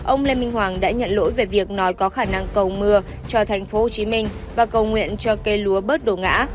ông lê minh hoàng đã nhận lỗi về việc nói có khả năng cầu mưa cho thành phố hồ chí minh và cầu nguyện cho cây lúa bớt đổ ngã